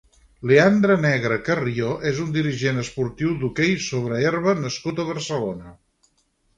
Leandre Negre Carrió és un dirigent esportiu d'hoquei sobre herba nascut a Barcelona.